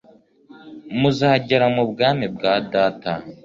muzagera mu bwami bwa data